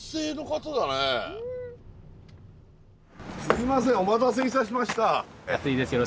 すいませんお待たせいたしました。